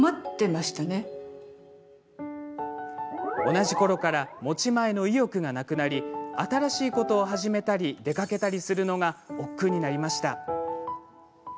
同じころから持ち前の意欲がなくなり新しいことを始めたり出かけたりするのがおっくうになりました。